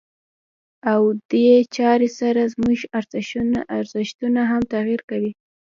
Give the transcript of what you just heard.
او دې چارې سره زموږ ارزښتونه هم تغيير کوي.